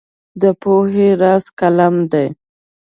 د پوهې راز قلم دی.